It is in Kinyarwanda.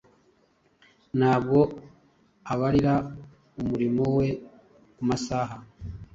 Ntabwo abarira umurimo we ku masaha.